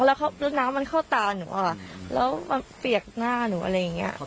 แล้วน้ำมันเข้าตาหนูอะค่ะแล้วมาเปียกหน้าหนูอะไรอย่างเงี้ย